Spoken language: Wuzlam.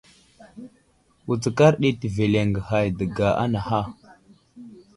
Wutskar ɗi təveleŋge hay dəga anaha.